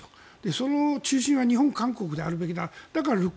その中心は日本、韓国であるべきだと。